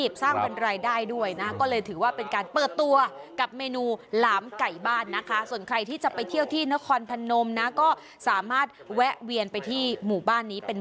พอเราเห็นภาพอย่างนี้แล้วคุณมาทำเสียงซู๊ดเลยนะ